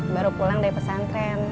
baru pulang dari pesantren